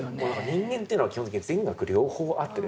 人間というのは基本的に善悪両方あってですね